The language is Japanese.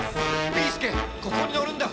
ビーすけここに乗るんだ！